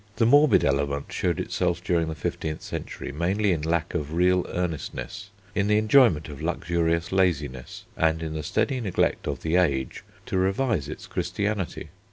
The morbid element showed itself during the fifteenth century mainly in lack of real earnestness, in the enjoyment of luxurious laziness, and in the steady neglect of the age to revise its Christianity.